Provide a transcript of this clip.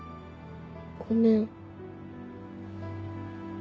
ごめん。